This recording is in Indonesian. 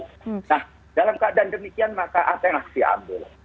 nah dalam keadaan demikian maka ase ngasih ambil